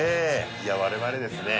いや我々ですね